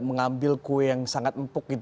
mengambil kue yang sangat empuk gitu